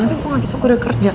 tapi kok abis itu gue udah kerja